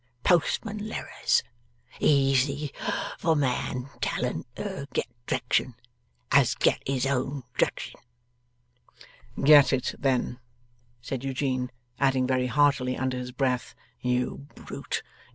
Postman lerrers. Easy for man talent er get drection, as get his own drection.' 'Get it then,' said Eugene; adding very heartily under his breath, ' You Brute!